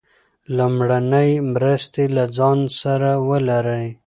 لومړنۍ مرستې له ځان سره ولرئ.